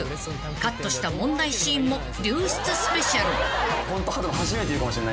［カットした問題シーンも流出スペシャル］